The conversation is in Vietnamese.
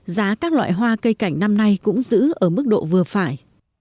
giá các loại hoa cây cảnh năm nay cũng giữ ở mức độ vừa phải